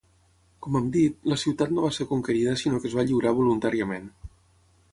Com hem dit, la ciutat no va ser conquerida sinó que es va lliurar voluntàriament.